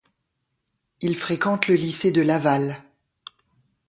Il fréquente le lycée de Laval.